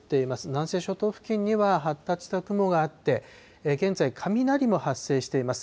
南西諸島付近には発達した雲があって、現在、雷も発生しています。